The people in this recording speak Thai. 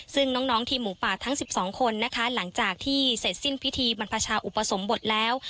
ซึ่งน้องทีมหมูป่าทั้ง๑๒คนนะคะหลังจากที่เสร็จสิ้นพิธีบรรพชาอุปสมบทแล้ว